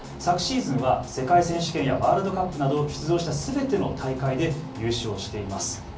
昨シーズンは世界選手権やワールドカップなど出場したすべての大会で優勝しています。